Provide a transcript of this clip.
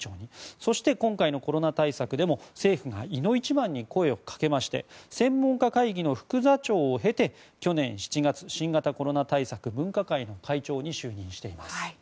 そして今回のコロナ対策でも政府が、いの一番に声をかけまして専門家会議の副座長を経て去年７月新型コロナ対策分科会の会長に就任しています。